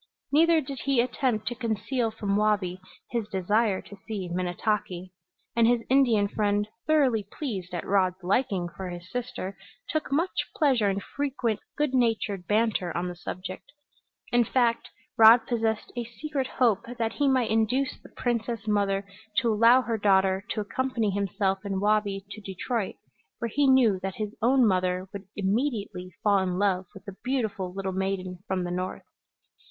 Neither did he attempt to conceal from Wabi his desire to see Minnetaki; and his Indian friend, thoroughly pleased at Rod's liking for his sister, took much pleasure in frequent good natured banter on the subject. In fact, Rod possessed a secret hope that he might induce the princess mother to allow her daughter to accompany himself and Wabi to Detroit, where he knew that his own mother would immediately fall in love with the beautiful little maiden from the North.